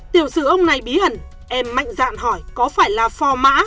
tiểu sư ông này bí hẳn em mạnh dạn hỏi có phải là phỏ má của một phó giám đốc sở giao thông phỏ má